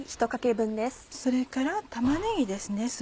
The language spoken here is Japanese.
それから玉ねぎです